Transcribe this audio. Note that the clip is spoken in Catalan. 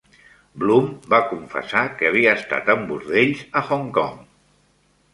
Bloom va confessar que havia estat en bordells a Hong Kong.